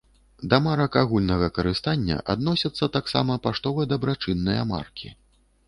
Да марак агульнага карыстання адносяцца таксама паштова-дабрачынныя маркі.